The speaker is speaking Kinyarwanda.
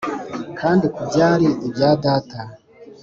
Kandi ku byari ibya data